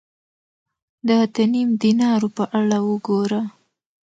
د اته نیم دینارو په اړه وګوره